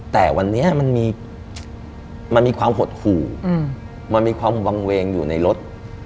แต่วันนี้มันมีความหดหู่มันมีความวางเวงอยู่ในรถ